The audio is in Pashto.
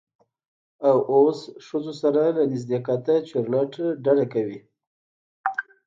او اوس ښځو سره له نږدیکته چورلټ ډډه کوي.